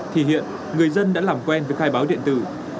thì hiện người dân đã làm quen với khai báo điện tử